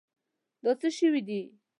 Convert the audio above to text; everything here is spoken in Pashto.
دا څه شی دی؟